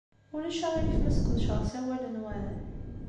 Ulac aɣilif ma sqedceɣ asawal-nwen?